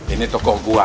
ini tokoh gua